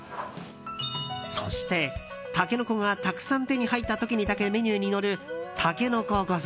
そして、タケノコがたくさん手に入った時にだけメニューに載る筍御膳。